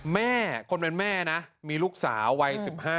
แม่คนเป็นแม่นะมีลูกสาววัย๑๕